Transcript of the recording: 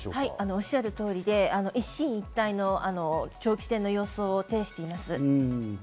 おっしゃる通りで一進一退の長期戦の様相を呈しています。